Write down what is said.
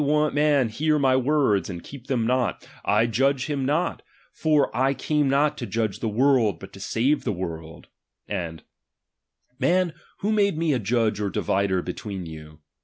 If any man hear my words, and heep them not, I Judge him not ijor I came not to judge the world, but to saee the world : and, Man, icho made me a judge or divider between you